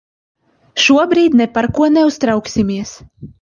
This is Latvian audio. Šobrīd ne par ko neuztrauksimies.